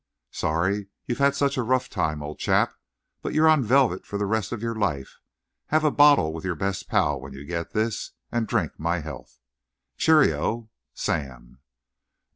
Sorry you've had such a rough time, old chap, but you're on velvet for the rest of your life. Have a bottle with your best pal when you get this, and drink my health. Cheerio! Sam.